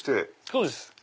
そうです。